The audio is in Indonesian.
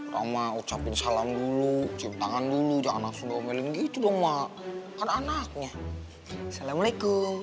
rama ucapin salam dulu ciptaan dulu jangan langsung melingkit cuman anaknya assalamualaikum